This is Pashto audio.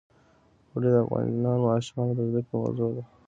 اوړي د افغان ماشومانو د زده کړې موضوع ده.